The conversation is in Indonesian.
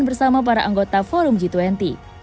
bersama para anggota forum g dua puluh